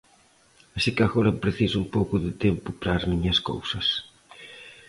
Así que agora preciso un pouco de tempo para as miñas cousas.